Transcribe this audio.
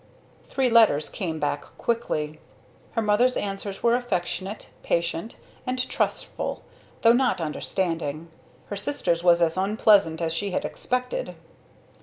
Three letters came back quickly. Her mother's answer was affectionate, patient, and trustful, though not understanding. Her sister's was as unpleasant as she had expected.